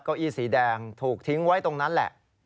เก้าอี้สีแดงถูกทิ้งไว้ตรงนั้นแหละ